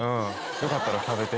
よかったら食べて。